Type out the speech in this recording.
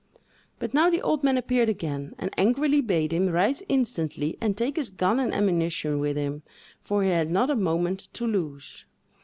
But now the old man appeared again, and angrily bade him rise instantly, and take his gun and ammunition with him, for he had not a moment to lose.